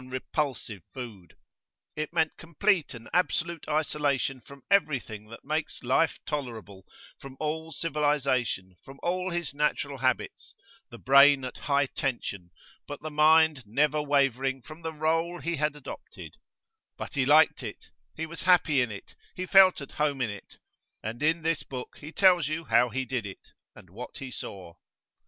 xviii]repulsive food; it meant complete and absolute isolation from everything that makes life tolerable, from all civilisation, from all his natural habits; the brain at high tension, but the mind never wavering from the role he had adopted; but he liked it, he was happy in it, he felt at home in it, and in this Book he tells you how he did it, and what he saw.